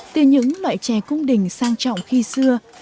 từ những loại chè cung đình sang trọng khi xưa